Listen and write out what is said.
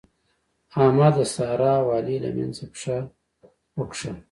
احمد د سارا او علي له منځه پښه وکښه.